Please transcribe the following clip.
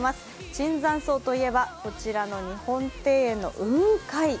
椿山荘といえばこちらの日本庭園の雲海。